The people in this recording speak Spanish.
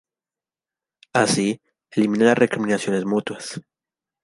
Así, elimina las recriminaciones mutuas.